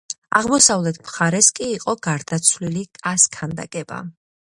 აღმოსავლეთ მხარეს კი იყო გარდაცვლილი კას ქანდაკება.